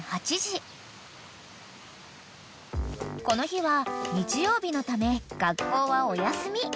［この日は日曜日のため学校はお休み］